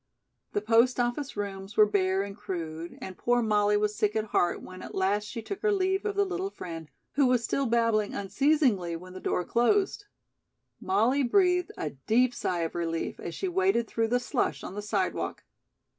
The post office rooms were bare and crude, and poor Molly was sick at heart when at last she took her leave of the little friend, who was still babbling unceasingly when the door closed. Molly breathed a deep sigh of relief as she waded through the slush on the sidewalk.